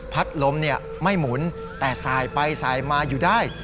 ลมไม่หมุนแต่สายไปสายมาอยู่ได้